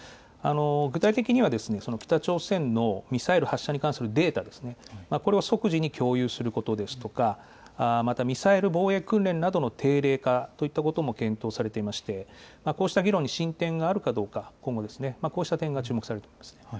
具体的には北朝鮮のミサイル発射に関するデータですね、これを即時に共有することですとか、またミサイル防衛訓練などの定例化といったことも検討されていまして、こうした議論に進展があるかどうか、今後ですね、こうした点が注目されると思います。